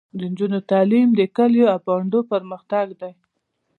د نجونو تعلیم د کلیو او بانډو پرمختګ دی.